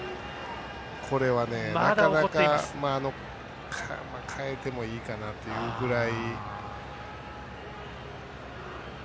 これは、なかなか代えてもいいかなというぐらい。